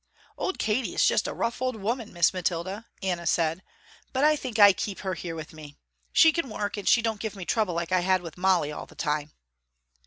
"Old Katy is just a rough old woman, Miss Mathilda," Anna said, "but I think I keep her here with me. She can work and she don't give me trouble like I had with Molly all the time."